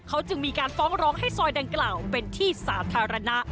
เขาจึงมีการฟ้องร้องให้ซอยดังกล่าวเป็นที่สาธารณะ